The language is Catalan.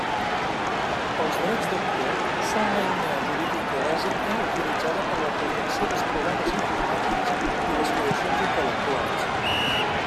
Els drets d'autor són l'eina jurídica bàsica utilitzada per a la protecció dels programes informàtics i les creacions intel·lectuals.